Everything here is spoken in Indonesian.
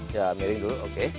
ya miring dulu oke